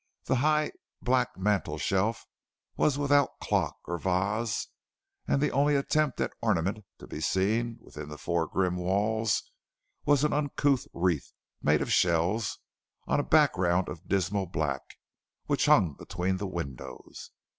The high black mantel shelf was without clock or vase, and the only attempt at ornament to be seen within the four grim walls was an uncouth wreath, made of shells, on a background of dismal black, which hung between the windows.